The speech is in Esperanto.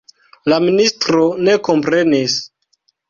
La ministro ne komprenis.